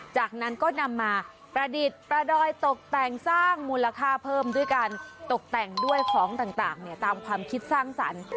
จากนั้นก็นำมาประดิษฐ์ประดอยตกแต่งสร้างมูลค่าเพิ่มด้วยการตกแต่งด้วยของต่างตามความคิดสร้างสรรค์